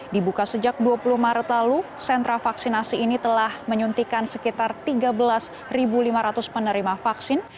dibuka sejak dua puluh maret lalu sentra vaksinasi ini telah menyuntikan sekitar tiga belas lima ratus penerima vaksin